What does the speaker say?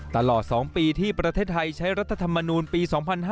ตลอด๒ปีที่ประเทศไทยใช้รัฐธรรมนูลปี๒๕๕๙